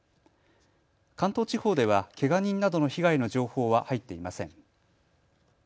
関東地方ではけが人などの被害の情報は入っていません。